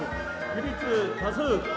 起立多数。